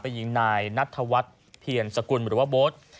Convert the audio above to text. ยิงนายนัทธวัฒน์เพียรสกุลหรือว่าโบ๊ท